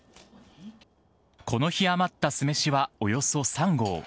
この日、余った酢めしはおよそ３合。